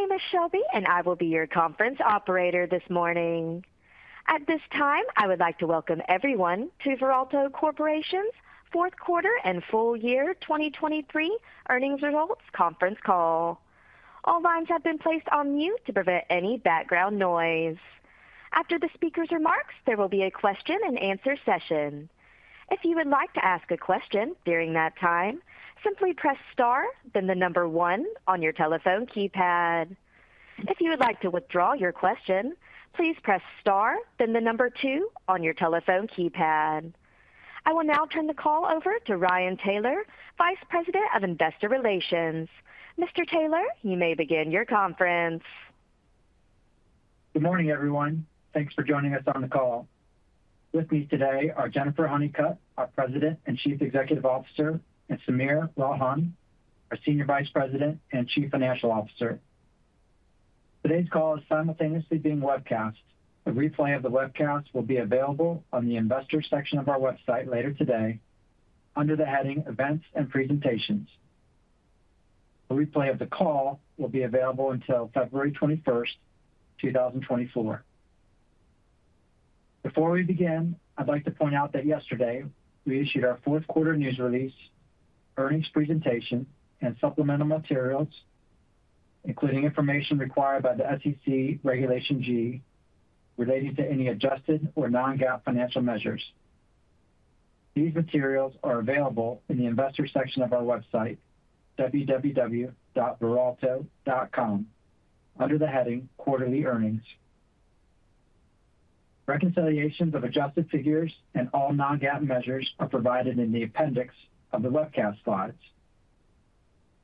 My name is Shelby, and I will be your conference operator this morning. At this time, I would like to welcome everyone to Veralto Corporation's fourth quarter and full year 2023 earnings results conference call. All lines have been placed on mute to prevent any background noise. After the speaker's remarks, there will be a question-and-answer session. If you would like to ask a question during that time, simply press star, then the number one on your telephone keypad. If you would like to withdraw your question, please press star, then the number two on your telephone keypad. I will now turn the call over to Ryan Taylor, Vice President of Investor Relations. Mr. Taylor, you may begin your conference. Good morning, everyone. Thanks for joining us on the call. With me today are Jennifer Honeycutt, our President and Chief Executive Officer, and Sameer Ralhan, our Senior Vice President and Chief Financial Officer. Today's call is simultaneously being webcast. A replay of the webcast will be available on the Investors section of our website later today under the heading Events and Presentations. A replay of the call will be available until February 21, 2024. Before we begin, I'd like to point out that yesterday we issued our fourth quarter news release, earnings presentation, and supplemental materials, including information required by the SEC Regulation G, relating to any adjusted or non-GAAP financial measures. These materials are available in the Investor section of our website, www.veralto.com, under the heading Quarterly Earnings. Reconciliations of adjusted figures and all non-GAAP measures are provided in the appendix of the webcast slides.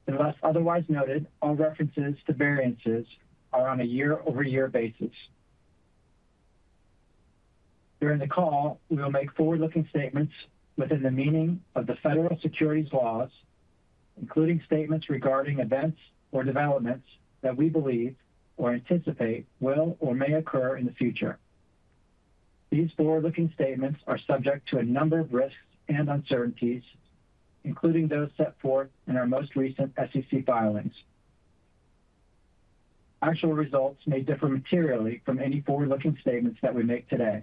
Unless otherwise noted, all references to variances are on a year-over-year basis. During the call, we will make forward-looking statements within the meaning of the federal securities laws, including statements regarding events or developments that we believe or anticipate will or may occur in the future. These forward-looking statements are subject to a number of risks and uncertainties, including those set forth in our most recent SEC filings. Actual results may differ materially from any forward-looking statements that we make today.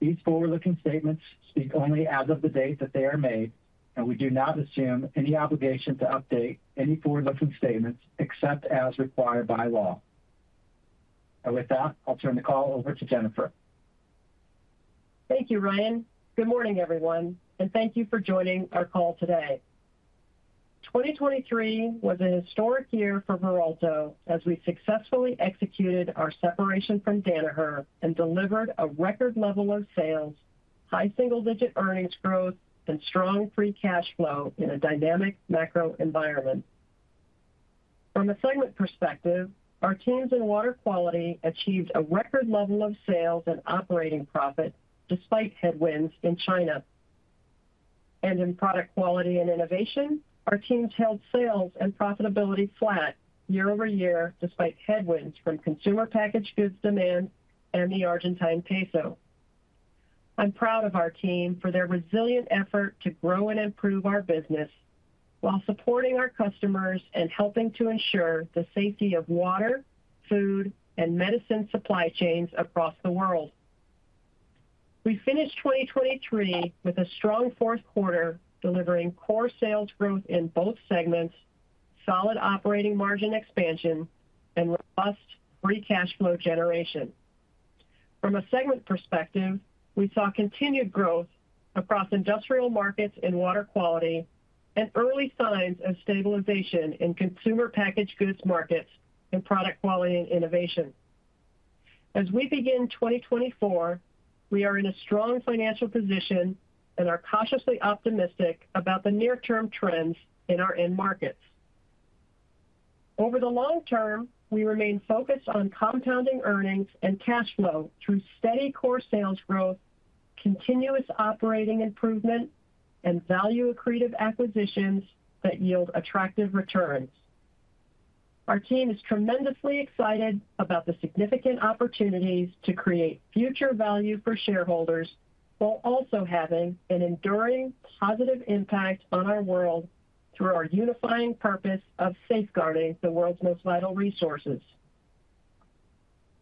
These forward-looking statements speak only as of the date that they are made, and we do not assume any obligation to update any forward-looking statements except as required by law. With that, I'll turn the call over to Jennifer. Thank you, Ryan. Good morning, everyone, and thank you for joining our call today. 2023 was a historic year for Veralto as we successfully executed our separation from Danaher and delivered a record level of sales, high single-digit earnings growth, and strong free cash flow in a dynamic macro environment. From a segment perspective, our teams in Water Quality achieved a record level of sales and operating profit despite headwinds in China. In Product Quality and Innovation, our teams held sales and profitability flat year over year, despite headwinds from Consumer Packaged Goods demand and the Argentine Peso. I'm proud of our team for their resilient effort to grow and improve our business while supporting our customers and helping to ensure the safety of water, food, and medicine supply chains across the world. We finished 2023 with a strong fourth quarter, delivering core sales growth in both segments, solid operating margin expansion, and robust free cash flow generation. From a segment perspective, we saw continued growth across industrial markets in Water Quality and early signs of stabilization in Consumer Packaged Goods markets in Product Quality and Innovation. As we begin 2024, we are in a strong financial position and are cautiously optimistic about the near-term trends in our end markets. Over the long term, we remain focused on compounding earnings and cash flow through steady core sales growth, continuous operating improvement, and value-accretive acquisitions that yield attractive returns. Our team is tremendously excited about the significant opportunities to create future value for shareholders, while also having an enduring positive impact on our world through our unifying purpose of safeguarding the world's most vital resources.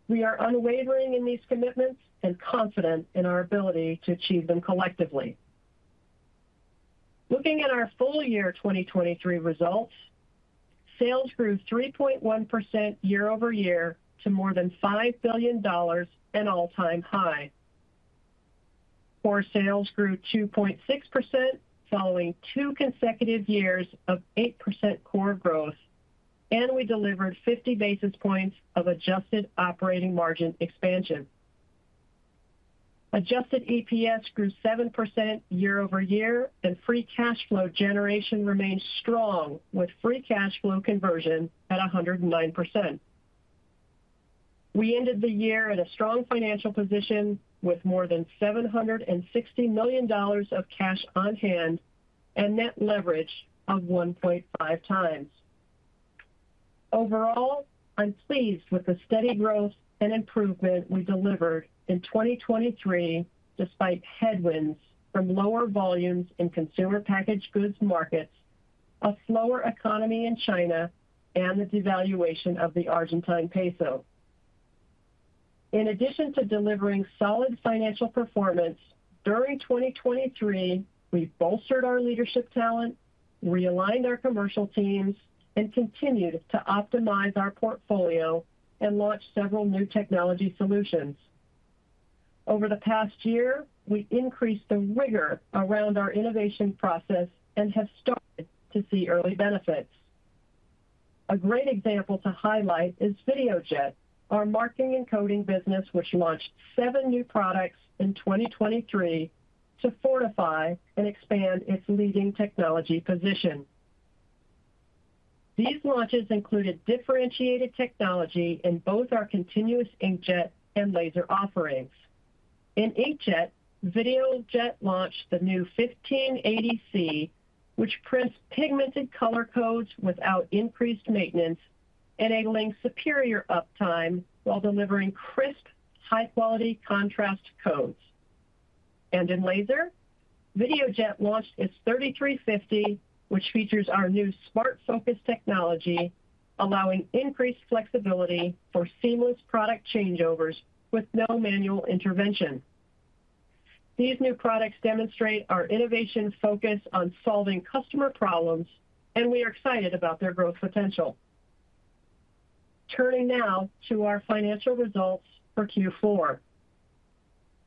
We are unwavering in these commitments and confident in our ability to achieve them collectively. Looking at our full year 2023 results, sales grew 3.1% year over year to more than $5 billion, an all-time high. Core sales grew 2.6%, following two consecutive years of 8% core growth, and we delivered 50 basis points of adjusted operating margin expansion. Adjusted EPS grew 7% year over year, and free cash flow generation remained strong, with free cash flow conversion at 109%. We ended the year in a strong financial position with more than $760 million of cash on hand and net leverage of 1.5 times. Overall, I'm pleased with the steady growth and improvement we delivered in 2023, despite headwinds from lower volumes in consumer packaged goods markets, a slower economy in China, and the devaluation of the Argentine peso. In addition to delivering solid financial performance, during 2023, we bolstered our leadership talent, realigned our commercial teams, and continued to optimize our portfolio and launched several new technology solutions. Over the past year, we increased the rigor around our innovation process and have started to see early benefits. A great example to highlight is Videojet, our marking and coding business, which launched seven new products in 2023 to fortify and expand its leading technology position. These launches included differentiated technology in both our continuous inkjet and laser offerings. In inkjet, Videojet launched the new 1550 ADC, which prints pigmented color codes without increased maintenance, enabling superior uptime while delivering crisp, high-quality contrast codes. And in laser, Videojet launched its 3350, which features our new Smart Focus technology, allowing increased flexibility for seamless product changeovers with no manual intervention. These new products demonstrate our innovation focus on solving customer problems, and we are excited about their growth potential. Turning now to our financial results for Q4.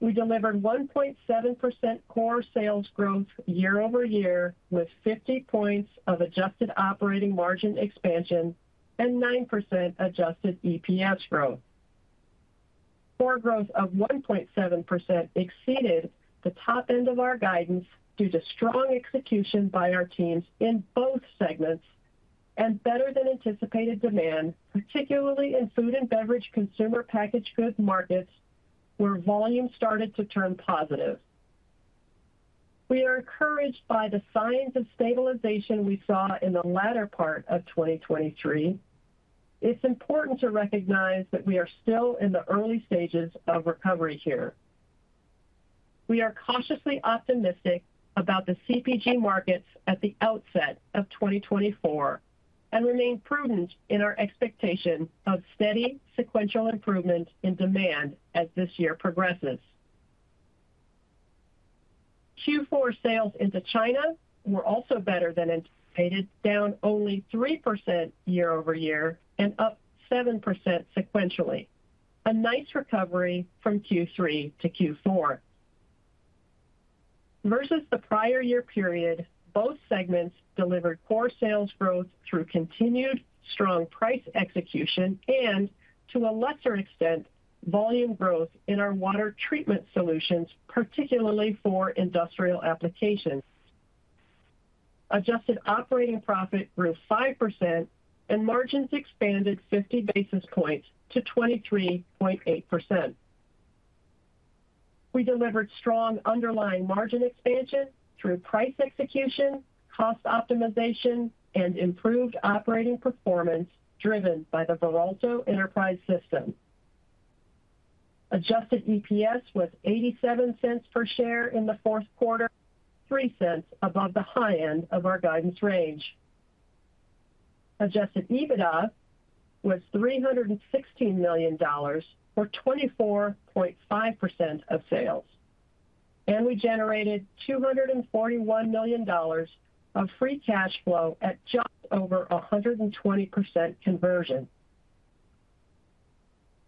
We delivered 1.7% core sales growth year-over-year, with 50 points of adjusted operating margin expansion and 9% adjusted EPS growth. Core growth of 1.7% exceeded the top end of our guidance due to strong execution by our teams in both segments and better than anticipated demand, particularly in food and beverage Consumer Packaged Goods markets, where volume started to turn positive. We are encouraged by the signs of stabilization we saw in the latter part of 2023. It's important to recognize that we are still in the early stages of recovery here. We are cautiously optimistic about the CPG markets at the outset of 2024 and remain prudent in our expectation of steady sequential improvement in demand as this year progresses. Q4 sales into China were also better than anticipated, down only 3% year over year and up 7% sequentially. A nice recovery from Q3 to Q4. Versus the prior year period, both segments delivered core sales growth through continued strong price execution and to a lesser extent, volume growth in our water treatment solutions, particularly for industrial applications. Adjusted operating profit grew 5% and margins expanded 50 basis points to 23.8%. We delivered strong underlying margin expansion through price execution, cost optimization, and improved operating performance driven by the Veralto Enterprise System. Adjusted EPS was $0.87 per share in the fourth quarter, $0.03 above the high end of our guidance range. Adjusted EBITDA was $316 million, or 24.5% of sales, and we generated $241 million of free cash flow at just over 120% conversion.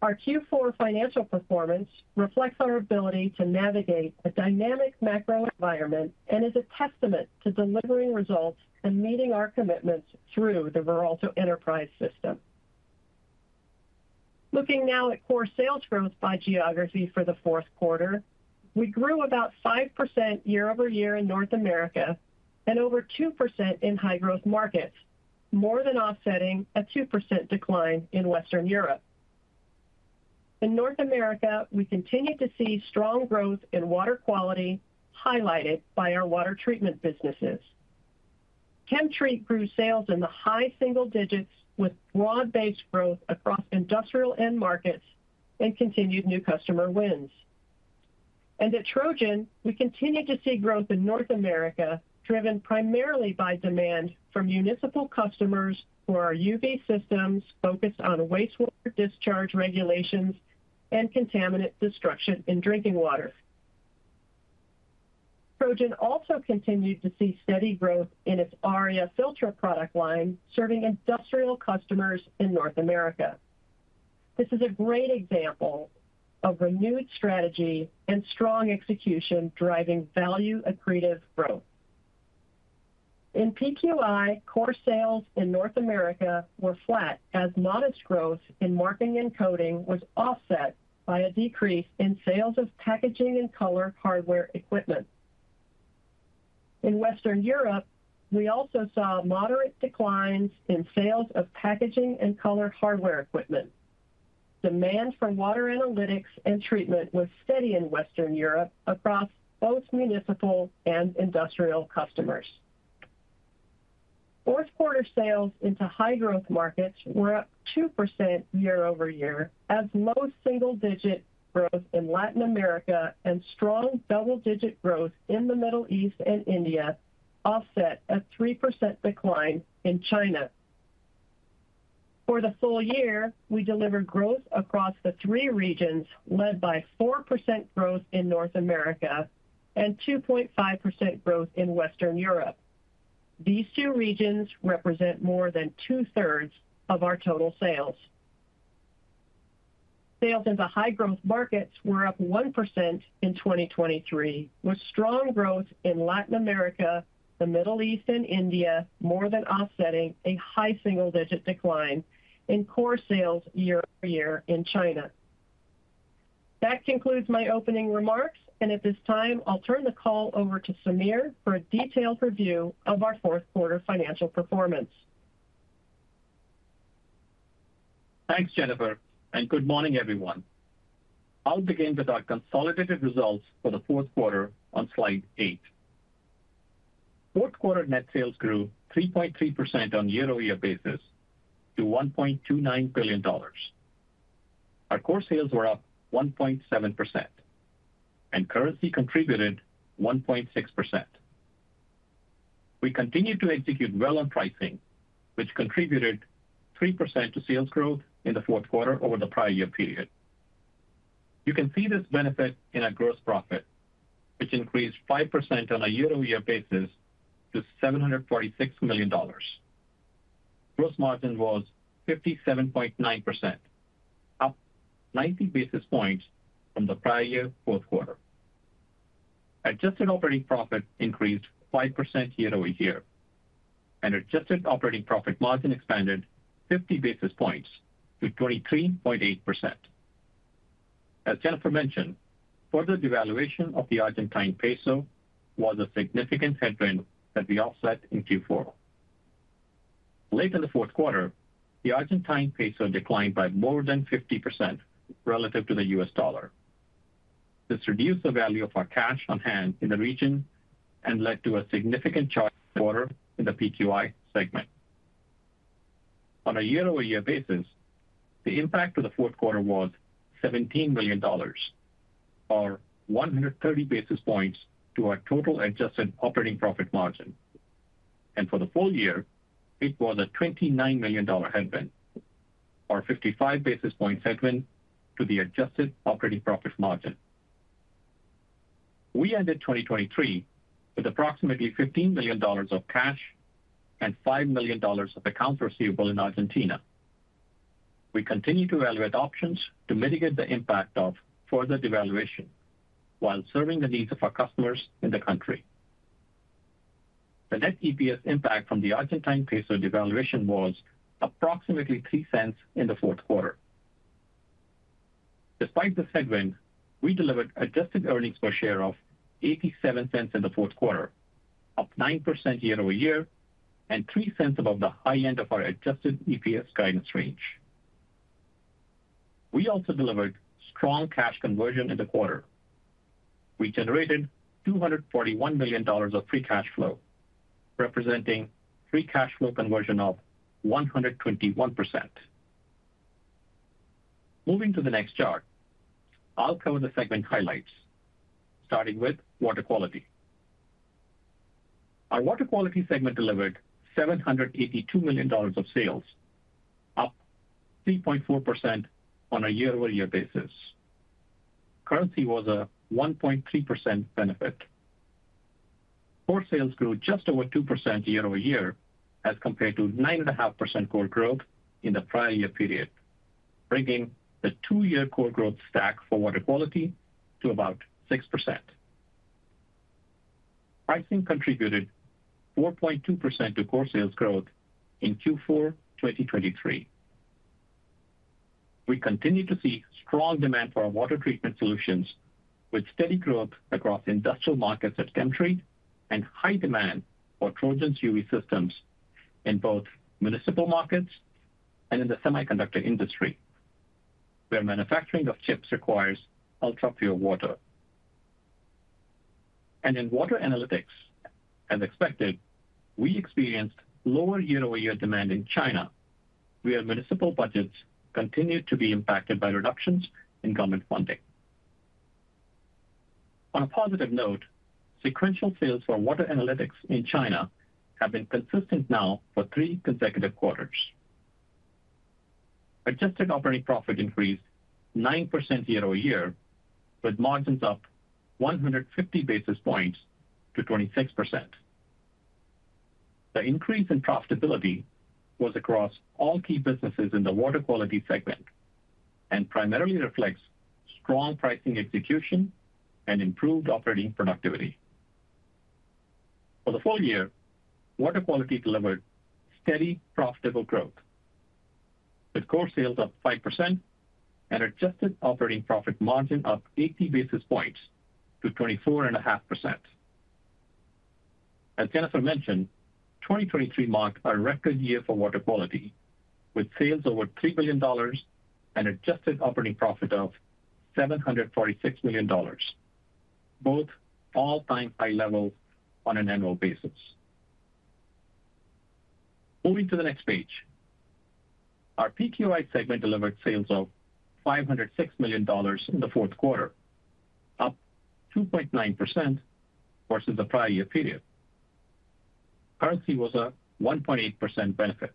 Our Q4 financial performance reflects our ability to navigate a dynamic macro environment and is a testament to delivering results and meeting our commitments through the Veralto Enterprise System. Looking now at core sales growth by geography for the fourth quarter, we grew about 5% year-over-year in North America and over 2% in high growth markets, more than offsetting a 2% decline in Western Europe. In North America, we continued to see strong growth in Water Quality, highlighted by our water treatment businesses. ChemTreat grew sales in the high single digits, with broad-based growth across industrial end markets and continued new customer wins. At Trojan, we continued to see growth in North America, driven primarily by demand from municipal customers for our UV systems focused on wastewater discharge regulations and contaminant destruction in drinking water. Trojan also continued to see steady growth in its Aria Filtra product line, serving industrial customers in North America. This is a great example of renewed strategy and strong execution, driving value-accretive growth. In PQI, core sales in North America were flat as modest growth in marking and coding was offset by a decrease in sales of packaging and color hardware equipment. In Western Europe, we also saw moderate declines in sales of packaging and color hardware equipment. Demand for water analytics and treatment was steady in Western Europe across both municipal and industrial customers. Fourth quarter sales into high growth markets were up 2% year-over-year, as low single-digit growth in Latin America and strong double-digit growth in the Middle East and India offset a 3% decline in China. For the full year, we delivered growth across the three regions, led by 4% growth in North America and 2.5% growth in Western Europe. These two regions represent more than two-thirds of our total sales. Sales in the high-growth markets were up 1% in 2023, with strong growth in Latin America, the Middle East, and India, more than offsetting a high single-digit decline in core sales year-over-year in China. That concludes my opening remarks, and at this time, I'll turn the call over to Sameer for a detailed review of our fourth quarter financial performance. Thanks, Jennifer, and good morning, everyone. I'll begin with our consolidated results for the fourth quarter on slide 8. Fourth quarter net sales grew 3.3% on a year-over-year basis to $1.29 billion. Our core sales were up 1.7%, and currency contributed 1.6%. We continued to execute well on pricing, which contributed 3% to sales growth in the fourth quarter over the prior year period. You can see this benefit in our gross profit, which increased 5% on a year-over-year basis to $746 million. Gross margin was 57.9%, up 90 basis points from the prior year fourth quarter. Adjusted operating profit increased 5% year over year, and adjusted operating profit margin expanded 50 basis points to 23.8%. As Jennifer mentioned, further devaluation of the Argentine peso was a significant headwind that we offset in Q4. Late in the fourth quarter, the Argentine peso declined by more than 50% relative to the US dollar. This reduced the value of our cash on hand in the region and led to a significant charge quarter in the PQI segment. On a year-over-year basis, the impact to the fourth quarter was $17 million, or 130 basis points to our total adjusted operating profit margin. For the full year, it was a $29 million headwind, or 55 basis points headwind to the adjusted operating profit margin. We ended 2023 with approximately $15 million of cash and $5 million of accounts receivable in Argentina. We continue to evaluate options to mitigate the impact of further devaluation while serving the needs of our customers in the country. The net EPS impact from the Argentine Peso devaluation was approximately $0.03 in the fourth quarter. Despite the headwind, we delivered adjusted earnings per share of $0.87 in the fourth quarter, up 9% year-over-year, and $0.03 above the high end of our adjusted EPS guidance range. We also delivered strong cash conversion in the quarter. We generated $241 million of free cash flow, representing free cash flow conversion of 121%. Moving to the next chart, I'll cover the segment highlights, starting with Water Quality. Our Water Quality segment delivered $782 million of sales, up 3.4% on a year-over-year basis. Currency was a 1.3% benefit. Core sales grew just over 2% year-over-year, as compared to 9.5% core growth in the prior year period, bringing the two-year core growth stack for water quality to about 6%. Pricing contributed 4.2% to core sales growth in Q4 2023. We continue to see strong demand for our water treatment solutions, with steady growth across industrial markets of ChemTreat and high demand for Trojan UV systems in both municipal markets and in the semiconductor industry, where manufacturing of chips requires ultrapure water. And in water analytics, as expected, we experienced lower year-over-year demand in China, where municipal budgets continued to be impacted by reductions in government funding. On a positive note, sequential sales for water analytics in China have been consistent now for three consecutive quarters. Adjusted operating profit increased 9% year-over-year, with margins up 150 basis points to 26%. The increase in profitability was across all key businesses in the Water Quality segment and primarily reflects strong pricing execution and improved operating productivity. For the full year, Water Quality delivered steady, profitable growth, with core sales up 5% and adjusted operating profit margin up 80 basis points to 24.5%.... As Jennifer mentioned, 2023 marked a record year for Water Quality, with sales over $3 billion and adjusted operating profit of $746 million, both all-time high levels on an annual basis. Moving to the next page. Our PQI segment delivered sales of $506 million in the fourth quarter, up 2.9% versus the prior year period. Currency was a 1.8% benefit.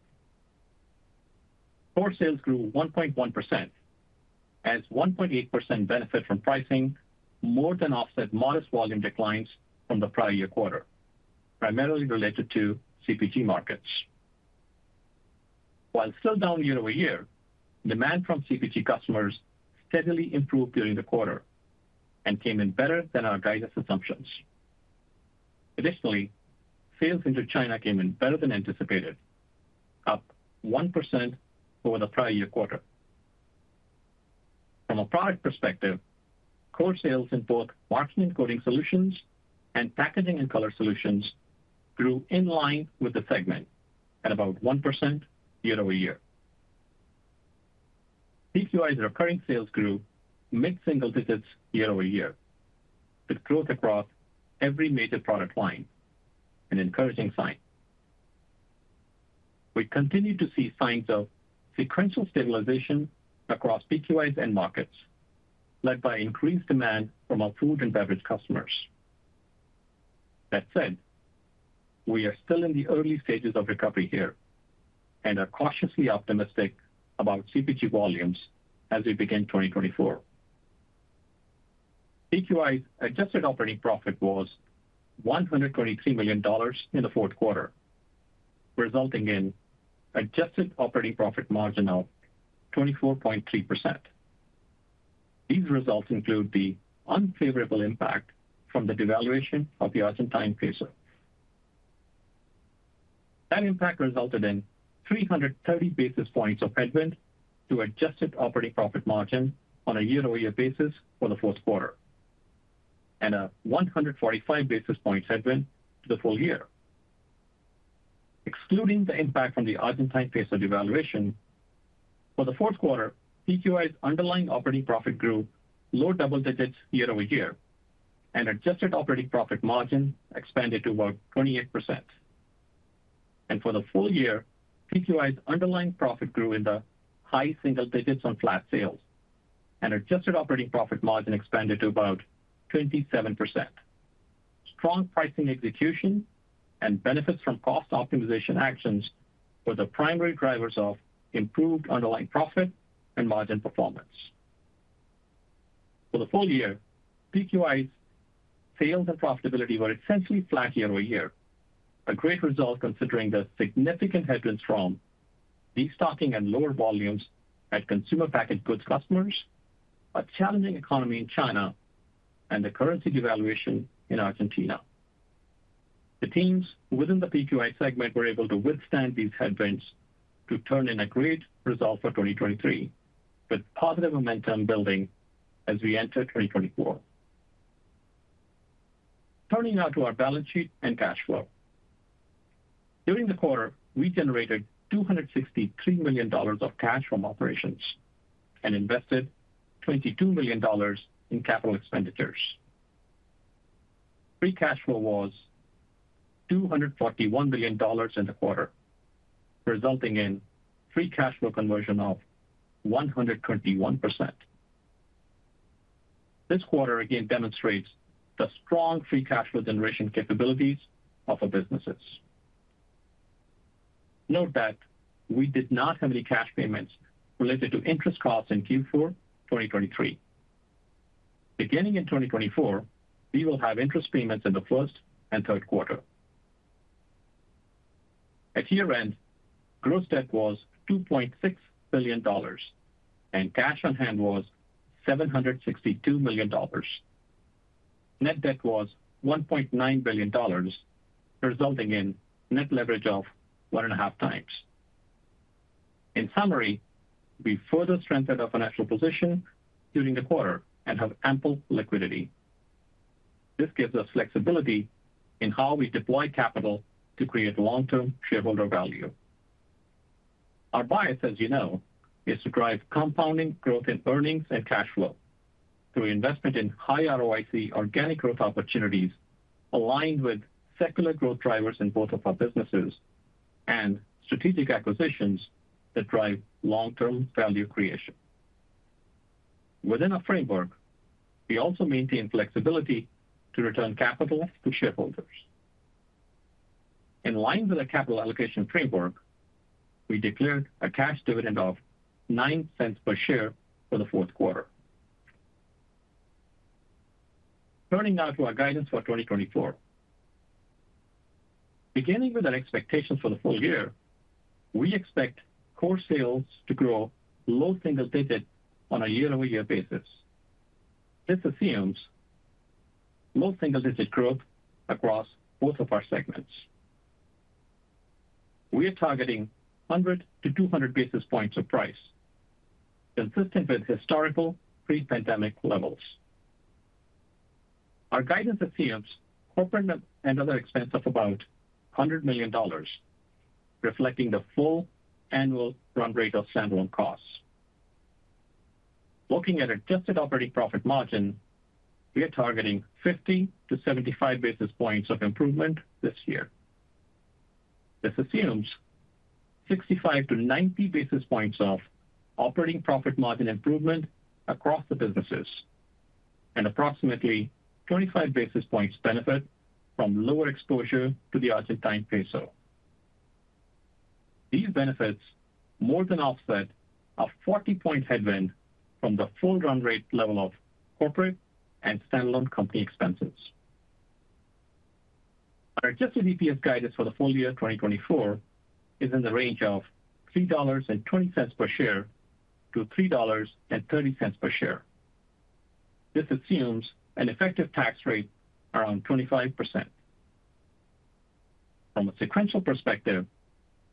Core sales grew 1.1%, as 1.8% benefit from pricing more than offset modest volume declines from the prior-year quarter, primarily related to CPG markets. While still down year-over-year, demand from CPG customers steadily improved during the quarter and came in better than our guidance assumptions. Additionally, sales into China came in better than anticipated, up 1% over the prior-year quarter. From a product perspective, core sales in both marking and coding solutions and packaging and color solutions grew in line with the segment at about 1% year-over-year. PQI's recurring sales grew mid-single digits year-over-year, with growth across every major product line, an encouraging sign. We continue to see signs of sequential stabilization across PQI's end markets, led by increased demand from our food and beverage customers. That said, we are still in the early stages of recovery here and are cautiously optimistic about CPG volumes as we begin 2024. PQI's adjusted operating profit was $123 million in the fourth quarter, resulting in adjusted operating profit margin of 24.3%. These results include the unfavorable impact from the devaluation of the Argentine peso. That impact resulted in 330 basis points of headwind to adjusted operating profit margin on a year-over-year basis for the fourth quarter, and a 145 basis points headwind to the full year. Excluding the impact from the Argentine peso devaluation, for the fourth quarter, PQI's underlying operating profit grew low double digits year over year, and adjusted operating profit margin expanded to about 28%. For the full year, PQI's underlying profit grew in the high single digits on flat sales, and adjusted operating profit margin expanded to about 27%. Strong pricing execution and benefits from cost optimization actions were the primary drivers of improved underlying profit and margin performance. For the full year, PQI's sales and profitability were essentially flat year-over-year, a great result considering the significant headwinds from destocking and lower volumes at consumer packaged goods customers, a challenging economy in China, and the currency devaluation in Argentina. The teams within the PQI segment were able to withstand these headwinds to turn in a great result for 2023, with positive momentum building as we enter 2024. Turning now to our balance sheet and cash flow. During the quarter, we generated $263 million of cash from operations and invested $22 million in capital expenditures. Free cash flow was $241 million in the quarter, resulting in free cash flow conversion of 121%. This quarter again demonstrates the strong free cash flow generation capabilities of our businesses. Note that we did not have any cash payments related to interest costs in Q4 2023. Beginning in 2024, we will have interest payments in the first and third quarter. At year-end, gross debt was $2.6 billion, and cash on hand was $762 million. Net debt was $1.9 billion, resulting in net leverage of 1.5 times. In summary, we further strengthened our financial position during the quarter and have ample liquidity. This gives us flexibility in how we deploy capital to create long-term shareholder value. Our bias, as you know, is to drive compounding growth in earnings and cash flow through investment in high ROIC organic growth opportunities aligned with secular growth drivers in both of our businesses and strategic acquisitions that drive long-term value creation. Within our framework, we also maintain flexibility to return capital to shareholders. In line with the capital allocation framework, we declared a cash dividend of $0.09 per share for the fourth quarter. Turning now to our guidance for 2024. Beginning with our expectations for the full year, we expect core sales to grow low single digits on a year-over-year basis. This assumes low single-digit growth across both of our segments. We are targeting 100-200 basis points of price, consistent with historical pre-pandemic levels. Our guidance assumes corporate and other expense of about $100 million, reflecting the full annual run rate of standalone costs. Looking at adjusted operating profit margin, we are targeting 50-75 basis points of improvement this year. This assumes 65-90 basis points of operating profit margin improvement across the businesses, and approximately 25 basis points benefit from lower exposure to the Argentine peso. These benefits more than offset a 40-point headwind from the full run rate level of corporate and standalone company expenses. Our adjusted EPS guidance for the full year 2024 is in the range of $3.20 per share-$3.30 per share. This assumes an effective tax rate around 25%. From a sequential perspective,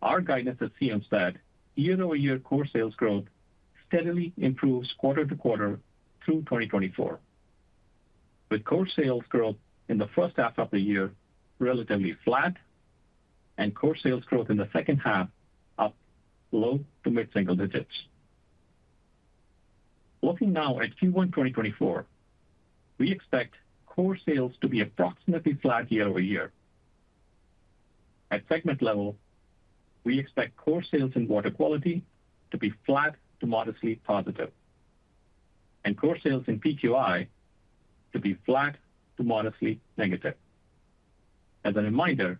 our guidance assumes that year-over-year core sales growth steadily improves quarter to quarter through 2024, with core sales growth in the first half of the year relatively flat and core sales growth in the second half up low- to mid-single digits. Looking now at Q1 2024, we expect core sales to be approximately flat year over year. At segment level, we expect core sales in Water Quality to be flat to modestly positive, and core sales in PQI to be flat to modestly negative. As a reminder,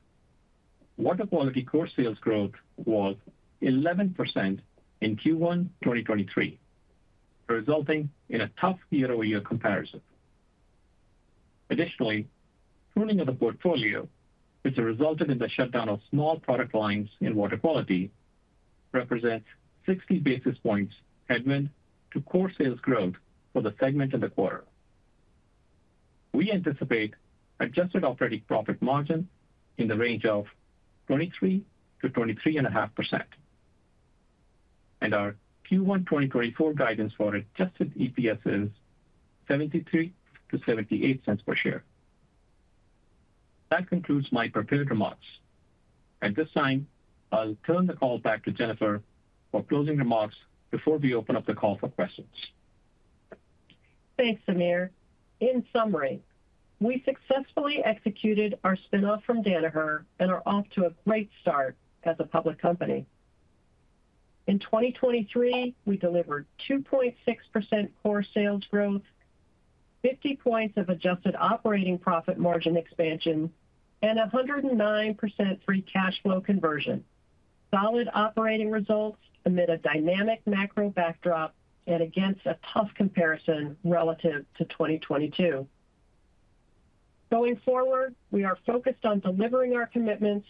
Water Quality core sales growth was 11% in Q1 2023, resulting in a tough year-over-year comparison. Additionally, pruning of the portfolio, which resulted in the shutdown of small product lines in Water Quality, represents 60 basis points headwind to core sales growth for the segment in the quarter. We anticipate adjusted operating profit margin in the range of 23%-23.5%, and our Q1 2024 guidance for adjusted EPS is $0.73-$0.78 per share. That concludes my prepared remarks. At this time, I'll turn the call back to Jennifer for closing remarks before we open up the call for questions. Thanks, Sameer. In summary, we successfully executed our spin-off from Danaher and are off to a great start as a public company. In 2023, we delivered 2.6% core sales growth, 50 points of adjusted operating profit margin expansion, and 109% free cash flow conversion. Solid operating results amid a dynamic macro backdrop and against a tough comparison relative to 2022. Going forward, we are focused on delivering our commitments,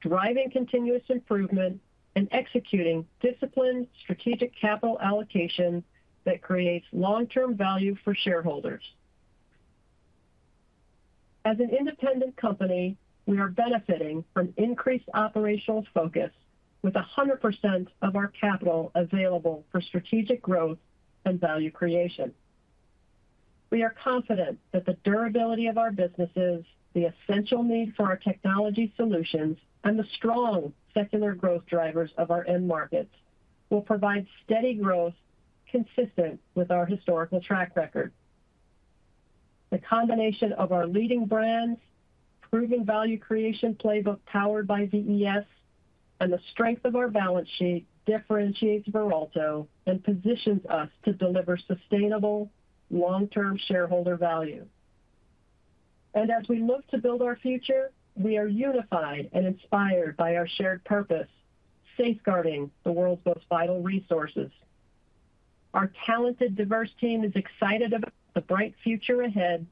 driving continuous improvement, and executing disciplined strategic capital allocation that creates long-term value for shareholders. As an independent company, we are benefiting from increased operational focus with 100% of our capital available for strategic growth and value creation. We are confident that the durability of our businesses, the essential need for our technology solutions, and the strong secular growth drivers of our end markets will provide steady growth consistent with our historical track record. The combination of our leading brands, proven value creation playbook powered by VES, and the strength of our balance sheet differentiates Veralto and positions us to deliver sustainable, long-term shareholder value. As we look to build our future, we are unified and inspired by our shared purpose, safeguarding the world's most vital resources. Our talented, diverse team is excited about the bright future ahead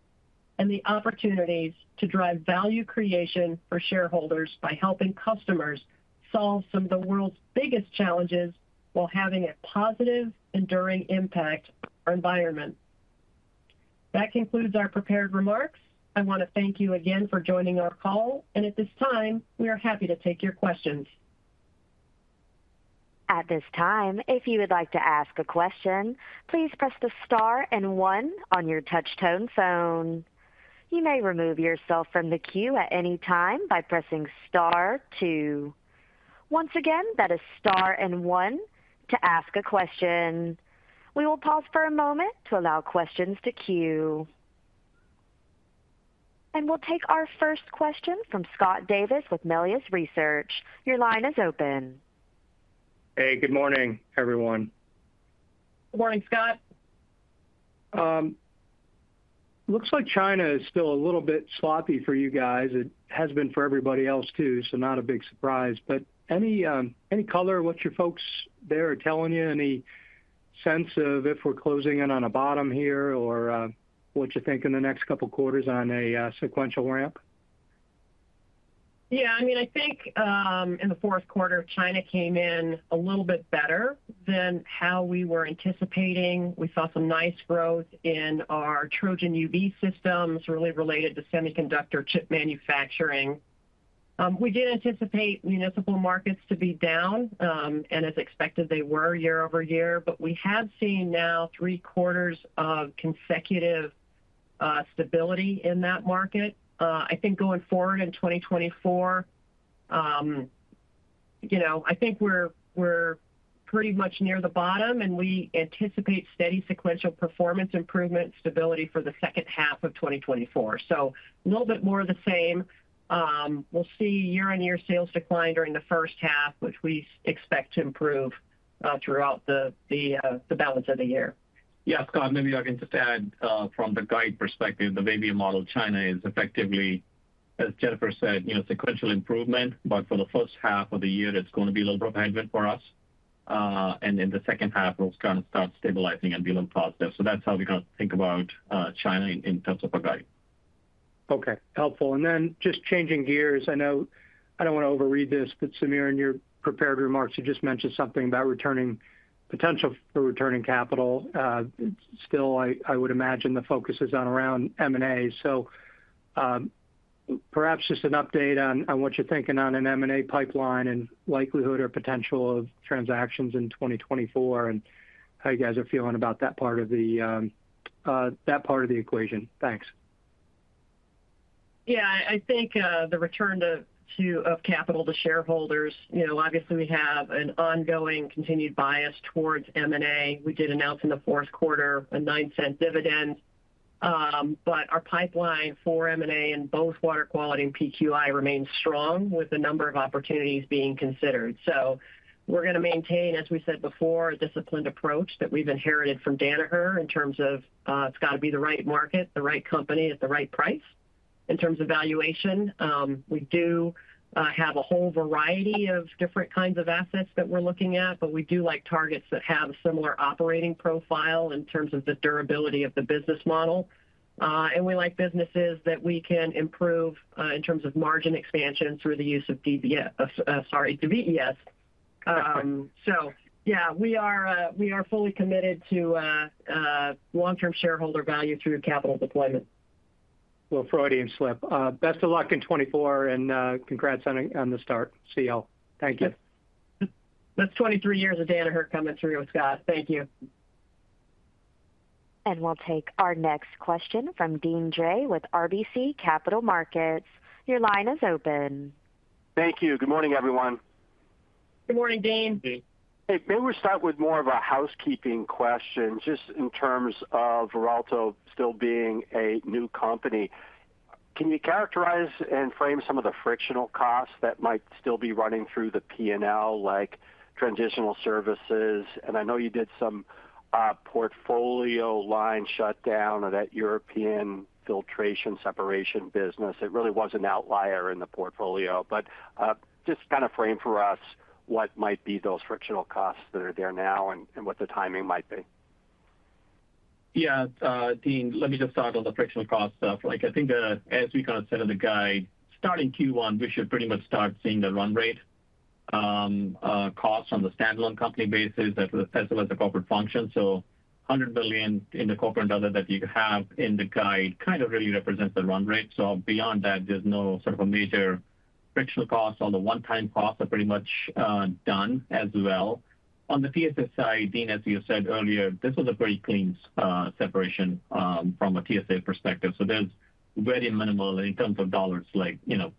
and the opportunities to drive value creation for shareholders by helping customers solve some of the world's biggest challenges while having a positive, enduring impact on our environment. That concludes our prepared remarks. I want to thank you again for joining our call, and at this time, we are happy to take your questions. At this time, if you would like to ask a question, please press the star and one on your touch-tone phone. You may remove yourself from the queue at any time by pressing star two. Once again, that is star and one to ask a question. We will pause for a moment to allow questions to queue. We'll take our first question from Scott Davis with Melius Research. Your line is open. Hey, good morning, everyone. Good morning, Scott. Looks like China is still a little bit sloppy for you guys. It has been for everybody else too, so not a big surprise. But any color what your folks there are telling you? Any sense of if we're closing in on a bottom here or what you think in the next couple of quarters on a sequential ramp? Yeah, I mean, I think, in the fourth quarter, China came in a little bit better than how we were anticipating. We saw some nice growth in our Trojan UV systems, really related to semiconductor chip manufacturing. We did anticipate municipal markets to be down, and as expected, they were year-over-year, but we have seen now three quarters of consecutive stability in that market. I think going forward in 2024, you know, I think we're pretty much near the bottom, and we anticipate steady sequential performance improvement, stability for the second half of 2024. So a little bit more of the same. We'll see year-on-year sales decline during the first half, which we expect to improve throughout the balance of the year. Yeah, Scott, maybe I can just add, from the guide perspective, the baby model China is effectively, as Jennifer said, you know, sequential improvement, but for the first half of the year, it's going to be a little bit of a headwind for us. In the second half, it'll kind of start stabilizing and be a little positive. So that's how we kind of think about China in terms of a guide. Okay, helpful. And then just changing gears, I know I don't want to overread this, but Sameer, in your prepared remarks, you just mentioned something about returning potential for returning capital. Still, I would imagine the focus is on around M&A. So, perhaps just an update on what you're thinking on an M&A pipeline and likelihood or potential of transactions in 2024, and how you guys are feeling about that part of the equation. Thanks. Yeah, I think, the return of capital to shareholders, you know, obviously, we have an ongoing continued bias towards M&A. We did announce in the fourth quarter a $0.09 dividend, but our pipeline for M&A in both water quality and PQI remains strong, with a number of opportunities being considered. So we're gonna maintain, as we said before, a disciplined approach that we've inherited from Danaher in terms of, it's got to be the right market, the right company at the right price. In terms of valuation, we do have a whole variety of different kinds of assets that we're looking at, but we do like targets that have a similar operating profile in terms of the durability of the business model. We like businesses that we can improve in terms of margin expansion through the use of DBS, sorry, VES. So yeah, we are fully committed to long-term shareholder value through capital deployment. Well, Freudian slip. Best of luck in 2024, and congrats on the start. See you all. Thank you. That's 23 years of Danaher coming through with Scott. Thank you. We'll take our next question from Deane Dray with RBC Capital Markets. Your line is open. Thank you. Good morning, everyone. Good morning, Deane. Deane. Hey, maybe we start with more of a housekeeping question, just in terms of Veralto still being a new company. Can you characterize and frame some of the frictional costs that might still be running through the P&L, like transitional services? And I know you did some portfolio line shutdown of that European filtration separation business. It really was an outlier in the portfolio, but just kind of frame for us what might be those frictional costs that are there now and what the timing might be. Yeah, Deane, let me just start on the frictional cost stuff. Like, I think, as we kind of said in the guide, starting Q1, we should pretty much start seeing the run rate, costs on the standalone company basis, as well as the corporate function. So $100 billion in the corporate other that you have in the guide kind of really represents the run rate. So beyond that, there's no sort of a major frictional costs. All the one-time costs are pretty much, done as well. On the TSA side, Deane, as you said earlier, this was a pretty clean, separation, from a TSA perspective, so there's very minimal in terms of dollars, like, you know,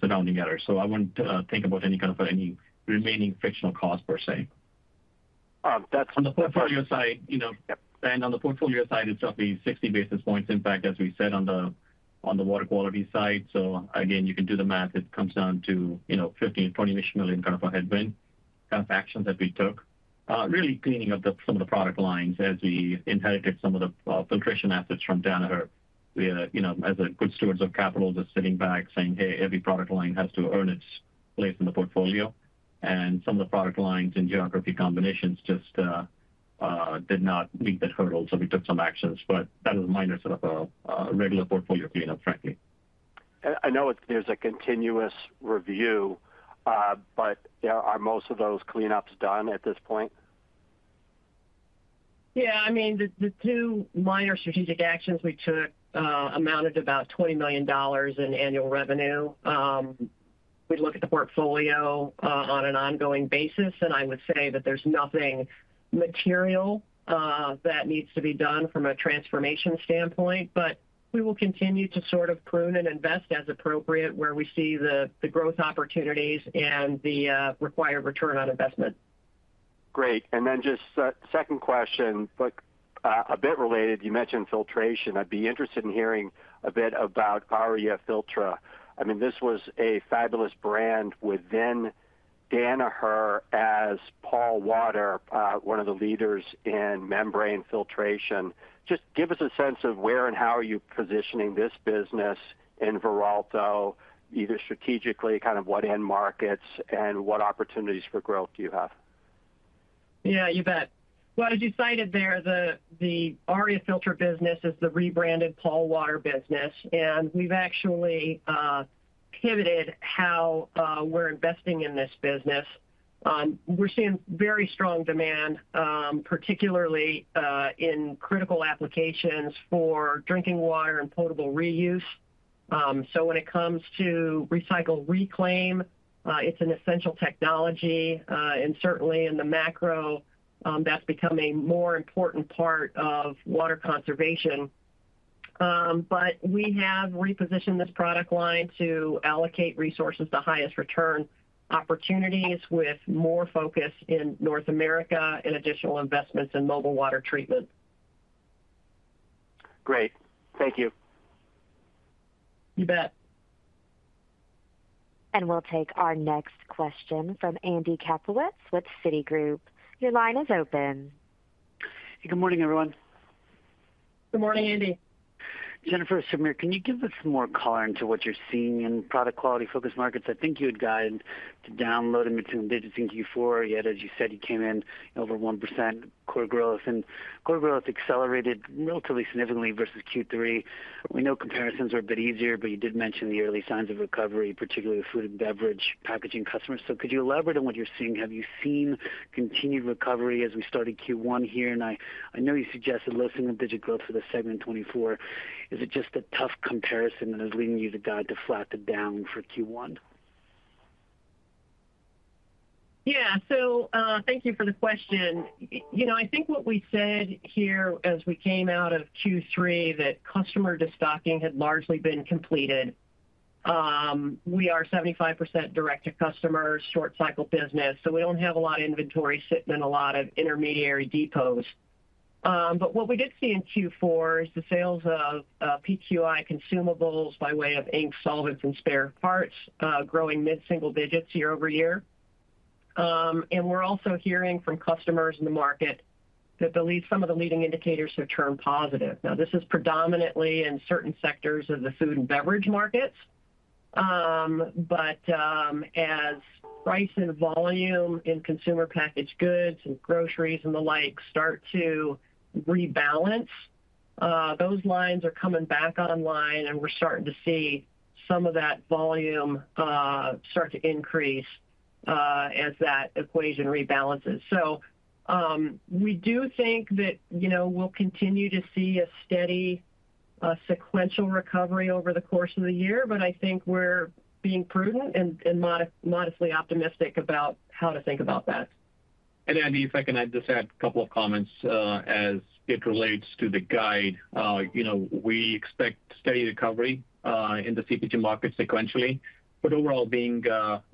surrounding it. So I wouldn't, think about any kind of, any remaining frictional costs per se. Uh, that's- On the portfolio side, you know, and on the portfolio side, it's roughly 60 basis points. In fact, as we said on the water quality side. So again, you can do the math, it comes down to, you know, $15 million-$20 million, kind of a headwind kind of action that we took. Really cleaning up the some of the product lines as we inherited some of the filtration assets from Danaher. We are, you know, as good stewards of capital, just sitting back saying, "Hey, every product line has to earn its place in the portfolio." And some of the product lines and geography combinations just did not meet that hurdle, so we took some actions, but that is a minor sort of regular portfolio cleanup, frankly. I know there's a continuous review, but are most of those cleanups done at this point? Yeah, I mean, the two minor strategic actions we took amounted to about $20 million in annual revenue. We look at the portfolio on an ongoing basis, and I would say that there's nothing material that needs to be done from a transformation standpoint, but we will continue to sort of prune and invest as appropriate, where we see the growth opportunities and the required return on investment. Great. And then just a second question, but, a bit related. You mentioned filtration. I'd be interested in hearing a bit about Aria Filtra. I mean, this was a fabulous brand within Danaher as Pall Water, one of the leaders in membrane filtration. Just give us a sense of where and how are you positioning this business in Veralto, either strategically, kind of what end markets, and what opportunities for growth do you have? Yeah, you bet. Well, as you cited there, the Aria Filtra business is the rebranded Pall Water business, and we've actually pivoted how we're investing in this business. We're seeing very strong demand, particularly in critical applications for drinking water and potable reuse. So when it comes to recycle, reclaim, it's an essential technology, and certainly in the macro, that's become a more important part of water conservation. But we have repositioned this product line to allocate resources to highest return opportunities, with more focus in North America and additional investments in mobile water treatment. Great. Thank you. You bet. We'll take our next question from Andy Kaplowitz with Citigroup. Your line is open. Good morning, everyone. Good morning, Andy. Jennifer, Sameer, can you give us some more color into what you're seeing in product quality focus markets? I think you had guided to down in mid-single digits in Q4, yet as you said, you came in over 1% core growth, and core growth accelerated relatively significantly versus Q3. We know comparisons are a bit easier, but you did mention the early signs of recovery, particularly with food and beverage packaging customers. So could you elaborate on what you're seeing? Have you seen continued recovery as we started Q1 here? And I know you suggested less than a digit growth for the segment in 2024. Is it just a tough comparison that is leading you to guide to flat to down for Q1? Yeah. So, thank you for the question. You know, I think what we said here as we came out of Q3, that customer destocking had largely been completed. We are 75% direct-to-customer, short cycle business, so we don't have a lot of inventory sitting in a lot of intermediary depots. But what we did see in Q4 is the sales of PQI consumables by way of ink, solvents, and spare parts growing mid-single digits year-over-year. And we're also hearing from customers in the market that some of the leading indicators have turned positive. Now, this is predominantly in certain sectors of the food and beverage markets, but as price and volume in consumer packaged goods and groceries and the like start to rebalance, those lines are coming back online, and we're starting to see some of that volume start to increase as that equation rebalances. So, we do think that, you know, we'll continue to see a steady sequential recovery over the course of the year, but I think we're being prudent and modestly optimistic about how to think about that. And Andy, if I can just add a couple of comments, as it relates to the guide. You know, we expect steady recovery in the CPG market sequentially, but overall being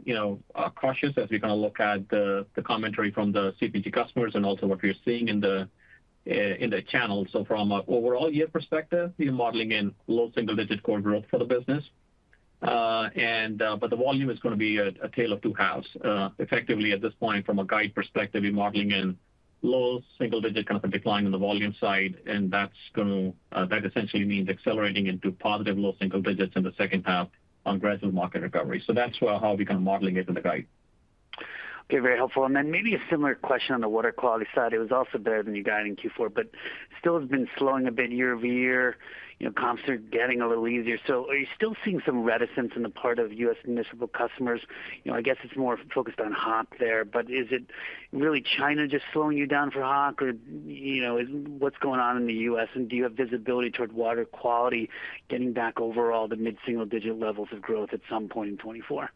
you know cautious as we kind of look at the commentary from the CPG customers and also what we're seeing in the channel. So from an overall year perspective, we're modeling in low single digit core growth for the business. But the volume is gonna be a tale of two halves. Effectively, at this point, from a guide perspective, we're modeling in low single digit kind of decline on the volume side, and that's gonna that essentially means accelerating into positive low single digits in the second half on gradual market recovery. So that's how we're kind of modeling it in the guide. Okay, very helpful. And then maybe a similar question on the Water Quality side. It was also better than you guided in Q4, but still has been slowing a bit year-over-year. You know, comps are getting a little easier. So are you still seeing some reticence on the part of U.S. municipal customers? You know, I guess it's more focused on Hach there, but is it really China just slowing you down for Hach, or, you know, what's going on in the U.S., and do you have visibility toward Water Quality getting back overall to mid-single-digit levels of growth at some point in 2024?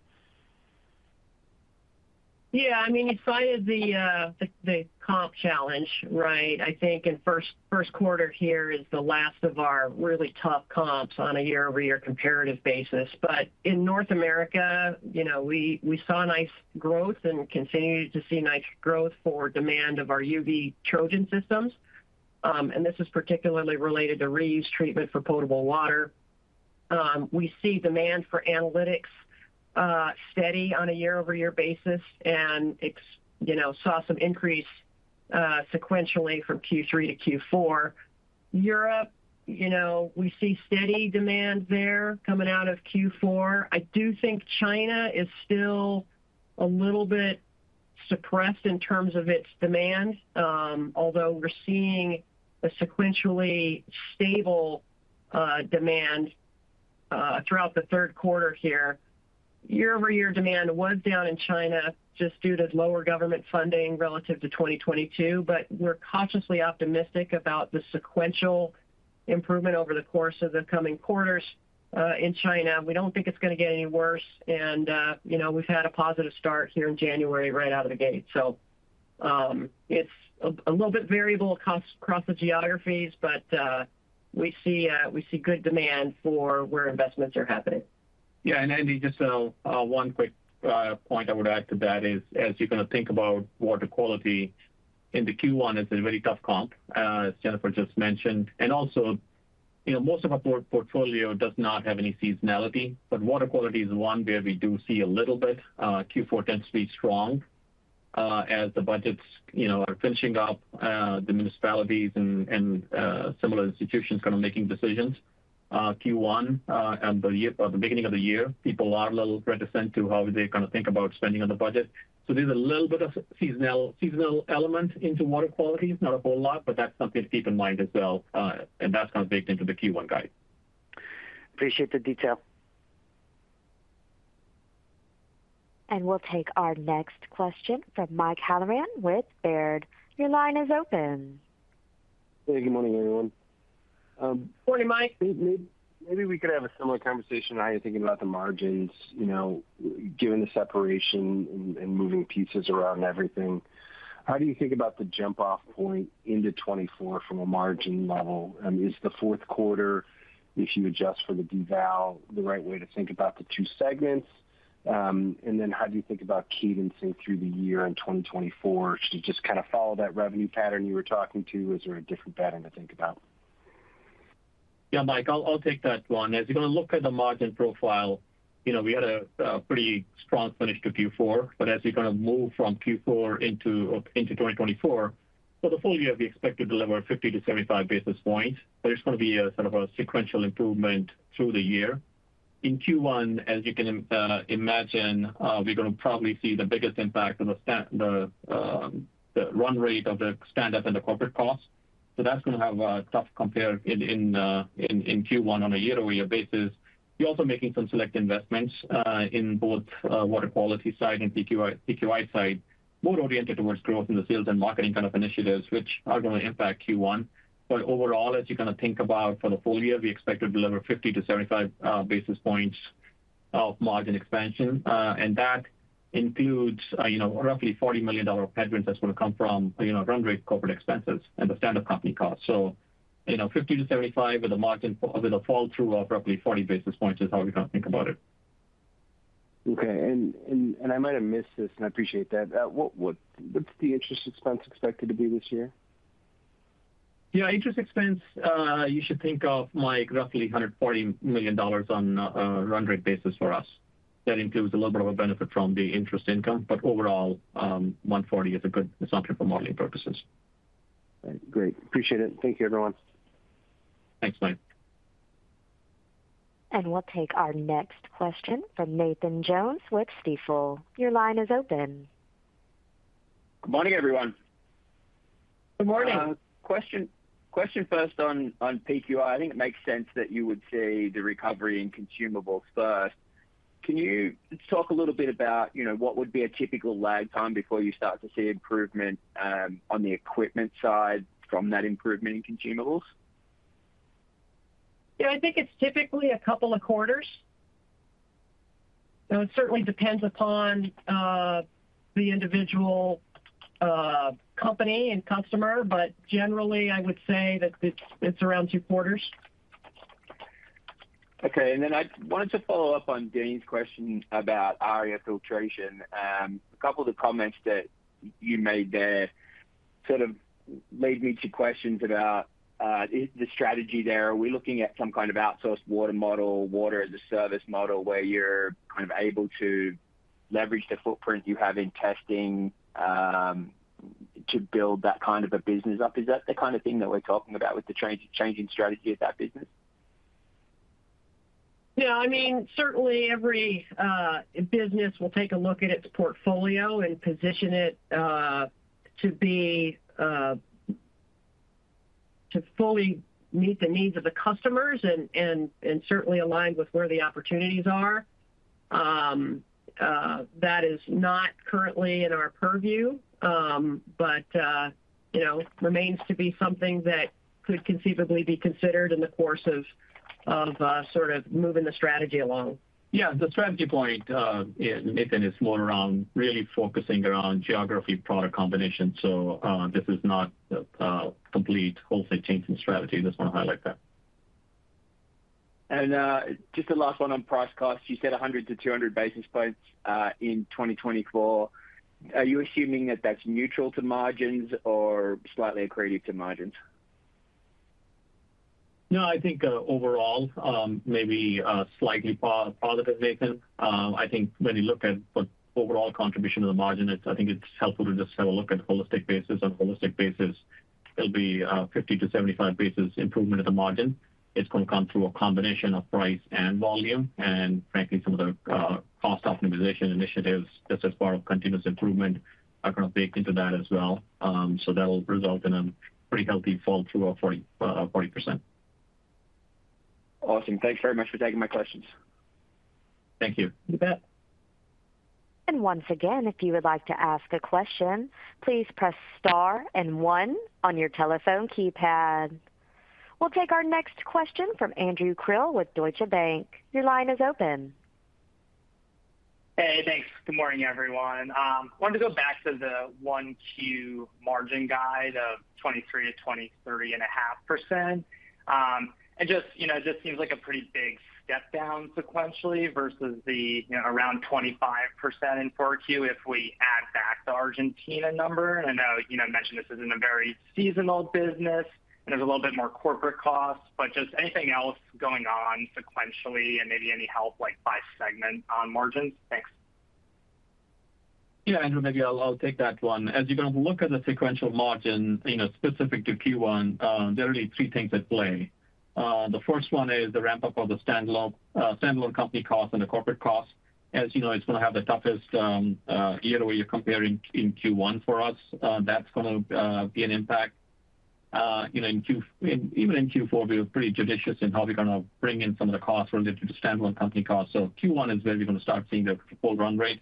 Yeah, I mean, aside of the comp challenge, right? I think in first quarter here is the last of our really tough comps on a year-over-year comparative basis. But in North America, you know, we saw nice growth and continue to see nice growth for demand of our UV Trojan systems. And this is particularly related to reuse treatment for potable water. We see demand for analytics steady on a year-over-year basis, and it, you know, saw some increase sequentially from Q3 to Q4. Europe, you know, we see steady demand there coming out of Q4. I do think China is still a little bit suppressed in terms of its demand, although we're seeing sequentially stable demand throughout the third quarter here. Year over year, demand was down in China just due to lower government funding relative to 2022, but we're cautiously optimistic about the sequential improvement over the course of the coming quarters in China. We don't think it's gonna get any worse, and you know, we've had a positive start here in January right out of the gate. So, it's a little bit variable across the geographies, but we see good demand for where investments are happening. Yeah, and Andy, just one quick point I would add to that is, as you're gonna think about Water Quality in the Q1, it's a very tough comp, as Jennifer just mentioned. And also, you know, most of our portfolio does not have any seasonality, but Water Quality is one where we do see a little bit. Q4 tends to be strong, as the budgets, you know, are finishing up, the municipalities and similar institutions kind of making decisions. Q1 and the year or the beginning of the year, people are a little reticent to how they kind of think about spending on the budget. So there's a little bit of seasonal element into Water Quality. It's not a whole lot, but that's something to keep in mind as well, and that's kind of baked into the Q1 guide.... appreciate the detail. We'll take our next question from Mike Halloran with Baird. Your line is open. Hey, good morning, everyone. Morning, Mike. Maybe we could have a similar conversation. How are you thinking about the margins, you know, given the separation and, and moving pieces around and everything, how do you think about the jump-off point into 2024 from a margin level? Is the fourth quarter, if you adjust for the deval, the right way to think about the two segments? And then how do you think about cadencing through the year in 2024? Should you just kind of follow that revenue pattern you were talking to? Is there a different pattern to think about? Yeah, Mike, I'll take that one. As you're going to look at the margin profile, you know, we had a pretty strong finish to Q4, but as we kind of move from Q4 into 2024. For the full year, we expect to deliver 50-75 basis points, but it's gonna be a sort of a sequential improvement through the year. In Q1, as you can imagine, we're gonna probably see the biggest impact of the run rate of the stand up and the corporate costs. So that's gonna have a tough compare in Q1 on a year-over-year basis. We're also making some select investments in both water quality side and PQI side, more oriented towards growth in the sales and marketing kind of initiatives, which are gonna impact Q1. But overall, as you kind of think about for the full year, we expect to deliver 50-75 basis points of margin expansion. And that includes, you know, roughly $40 million of headwinds that's going to come from, you know, run rate corporate expenses and the stand-up company costs. So, you know, 50-75 with a margin, with a fall through of roughly 40 basis points is how we kind of think about it. Okay. And I might have missed this, and I appreciate that. What's the interest expense expected to be this year? Yeah, interest expense, you should think of, Mike, roughly $140 million on a run rate basis for us. That includes a little bit of a benefit from the interest income, but overall, $140 million is a good assumption for modeling purposes. Great. Appreciate it. Thank you, everyone. Thanks, Mike. We'll take our next question from Nathan Jones with Stifel. Your line is open. Good morning, everyone. Good morning. Question, question first on, on PQI. I think it makes sense that you would see the recovery in consumables first. Can you talk a little bit about, you know, what would be a typical lag time before you start to see improvement on the equipment side from that improvement in consumables? Yeah, I think it's typically a couple of quarters. So it certainly depends upon the individual company and customer, but generally, I would say that it's around two quarters. Okay. And then I wanted to follow up on Danny's question about Aria Filtra. A couple of the comments that you made there sort of lead me to questions about the strategy there. Are we looking at some kind of outsourced water model, water as a service model, where you're kind of able to leverage the footprint you have in testing to build that kind of a business up? Is that the kind of thing that we're talking about with the changing strategy of that business? Yeah, I mean, certainly every business will take a look at its portfolio and position it to be to fully meet the needs of the customers and certainly aligned with where the opportunities are. That is not currently in our purview, but you know, remains to be something that could conceivably be considered in the course of sort of moving the strategy along. Yeah, the strategy point, yeah, Nathan, is more around really focusing around geography, product combination. So, this is not a complete wholesale change in strategy. Just want to highlight that. Just a last one on price costs. You said 100-200 basis points in 2024. Are you assuming that that's neutral to margins or slightly accretive to margins? No, I think, overall, maybe, slightly positive, Nathan. I think when you look at the overall contribution of the margin, it's I think it's helpful to just have a look at holistic basis. On a holistic basis, it'll be, 50-75 basis points improvement of the margin. It's going to come through a combination of price and volume, and frankly, some of the, cost optimization initiatives that's as part of continuous improvement are gonna bake into that as well. So that will result in a pretty healthy fall through of 40, 40%. Awesome. Thanks very much for taking my questions. Thank you. You bet. And once again, if you would like to ask a question, please press star and one on your telephone keypad. We'll take our next question from Andrew Krill with Deutsche Bank. Your line is open. Hey, thanks. Good morning, everyone. Wanted to go back to the 1Q margin guide of 23%-23.5%. And just, you know, just seems like a pretty big step down sequentially versus the, you know, around 25% in 4Q if we add back the Argentina number. I know you know, mentioned this isn't a very seasonal business, and there's a little bit more corporate costs, but just anything else going on sequentially and maybe any help like by segment on margins? Thanks. Yeah, Andrew, maybe I'll, I'll take that one. As you're going to look at the sequential margin, you know, specific to Q1, there are only three things at play. The first one is the ramp up of the standalone, standalone company costs and the corporate costs. As you know, it's gonna have the toughest year-over-year compare in Q1 for us. That's gonna be an impact. You know, in Q, even in Q4, we were pretty judicious in how we're gonna bring in some of the costs related to the standalone company costs. So Q1 is where we're gonna start seeing the full run rate.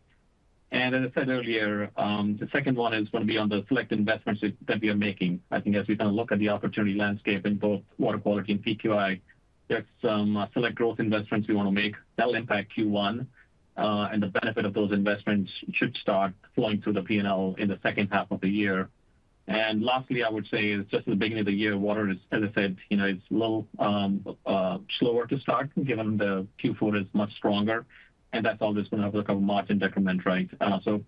And as I said earlier, the second one is gonna be on the select investments that we are making. I think as we kind of look at the opportunity landscape in both water quality and PQI, there's some select growth investments we wanna make. That'll impact Q1, and the benefit of those investments should start flowing through the P&L in the second half of the year. Lastly, I would say, just in the beginning of the year, water is, as I said, you know, it's a little slower to start, given the Q4 is much stronger, and that's always gonna have like a margin decrement, right?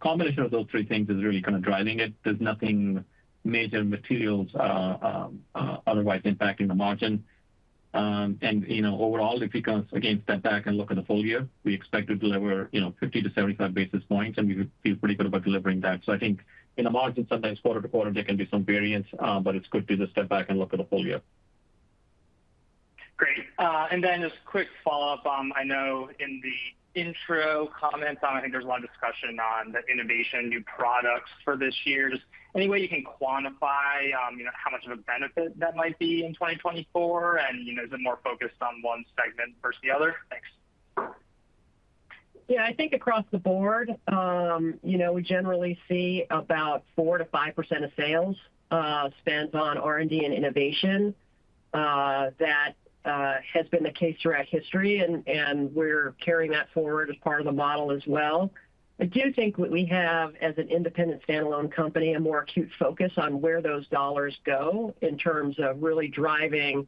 Combination of those three things is really kind of driving it. There's nothing major materials otherwise impacting the margin. You know, overall, if you can, again, step back and look at the full year, we expect to deliver, you know, 50-75 basis points, and we feel pretty good about delivering that. So I think in the margin, sometimes quarter to quarter, there can be some variance, but it's good to just step back and look at the full year. Great. And then just quick follow-up. I know in the intro comments, I think there's a lot of discussion on the innovation, new products for this year. Just any way you can quantify, you know, how much of a benefit that might be in 2024? And, you know, is it more focused on one segment versus the other? Thanks. Yeah, I think across the board, you know, we generally see about 4%-5% of sales spent on R&D and innovation. That has been the case throughout history, and we're carrying that forward as part of the model as well. I do think what we have as an independent standalone company, a more acute focus on where those dollars go in terms of really driving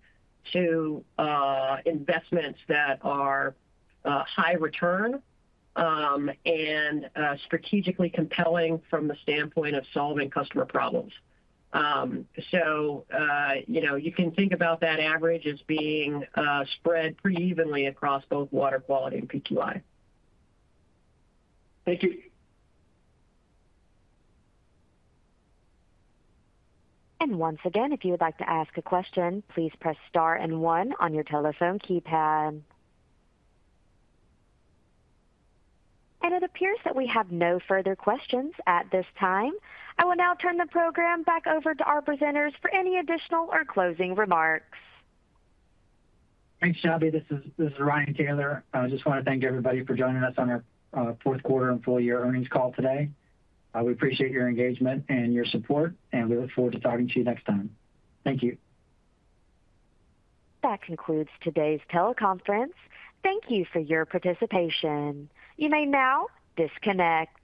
to investments that are high return, and strategically compelling from the standpoint of solving customer problems. So, you know, you can think about that average as being spread pretty evenly across both Water Quality and PQI. Thank you. Once again, if you would like to ask a question, please press star and one on your telephone keypad. It appears that we have no further questions at this time. I will now turn the program back over to our presenters for any additional or closing remarks. Thanks, Abby. This is, this is Ryan Taylor. I just wanna thank everybody for joining us on our fourth quarter and full year earnings call today. We appreciate your engagement and your support, and we look forward to talking to you next time. Thank you. That concludes today's teleconference. Thank you for your participation. You may now disconnect.